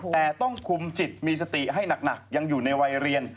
แต่ต้องคุมจิตมีสติให้หนักยังอยู่ในวัยเรียน